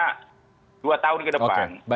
selama dua tahun ke depan